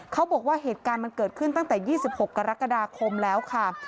เขาบอกว่าเหตุการณ์มันเกิดขึ้นตั้งแต่๒๖กรกฎาคมแล้วค่ะ